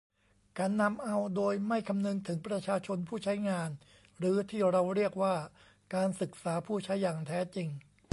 การนำเอาโดยไม่คำนึงถึงประชาชนผู้ใช้งาน หรือ ที่เราเรียกว่าการศึกษาผู้ใช้อย่างแท้จริง